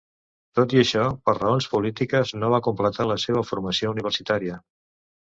Tot i això, per raons polítiques no va completar la seva formació universitària.